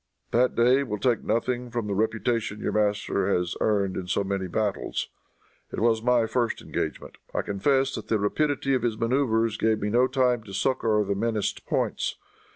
That day will take nothing from the reputation your master has earned in so many battles. It was my first engagement. I confess that the rapidity of his maneuvers gave me no time to succor the menaced points.